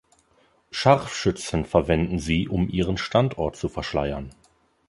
Scharfschützen verwenden sie, um ihren Standort zu verschleiern.